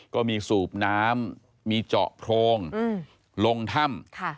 สูบน้ำมีเจาะโพรงลงถ้ำ